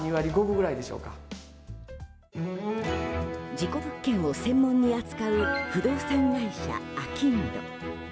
事故物件を専門に扱う不動産会社あきんど。